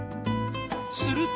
すると。